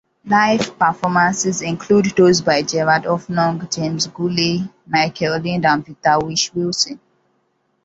Live performances include those by Gerard Hoffnung, James Gourlay, Michael Lind, and Peter Whish-Wilson.